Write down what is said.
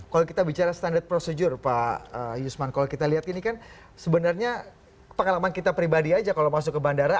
kalau kita bicara standar prosedur pak yusman kalau kita lihat ini kan sebenarnya pengalaman kita pribadi aja kalau masuk ke bandara